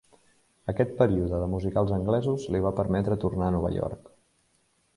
Aquest període de musicals anglesos li va permetre tornar a Nova York.